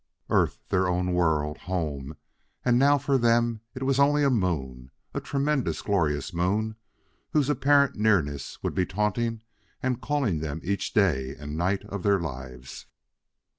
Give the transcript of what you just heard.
Earth! their own world! home! And now for them it was only a moon, a tremendous, glorious moon, whose apparent nearness would be taunting and calling them each day and night of their lives....